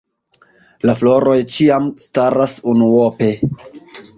La floroj ĉiam staras unuope.